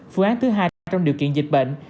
phương án thứ hai trong điều kiện dịch bệnh